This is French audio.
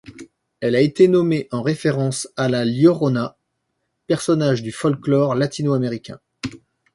Elle a été nommée en référence à La Llorona, personnage du folklore latino-américain.